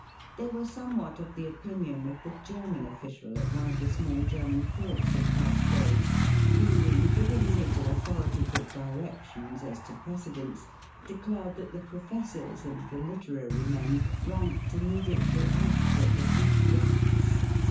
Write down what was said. They were somewhat of the opinion of the German official at one of the small German courts of past days, who, in giving his authoritative directions as to precedence, declared that the professors and the literary men ranked immediately after the boot blacks.